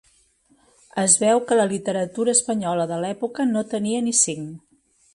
Es veu que la literatura espanyola de l'època no tenia ni cinc.